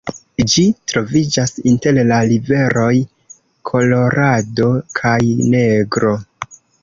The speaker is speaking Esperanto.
Ĝi troviĝas inter la riveroj Kolorado kaj Negro.